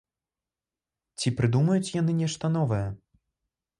Ці прыдумаюць яны нешта новае?